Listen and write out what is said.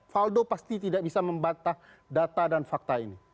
faldo pasti tidak bisa membatah data dan fakta ini